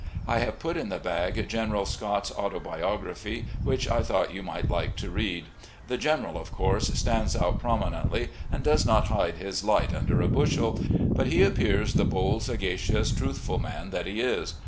I have put in the bag General Scott's autobiog raphy, which I thought you might like to read. The General, of course, stands out prominently, and does not hide his light tmder a bushel, but he appears the bold, sagacious, truthful man that he is.